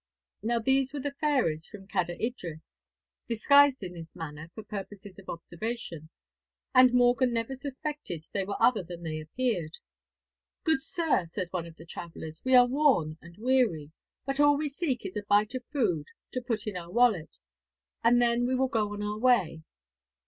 Now these were the fairies from Cader Idris, disguised in this manner for purposes of observation, and Morgan never suspected they were other than they appeared. 'Good sir,' said one of the travellers, 'we are worn and weary, but all we seek is a bite of food to put in our wallet, and then we will go on our way.'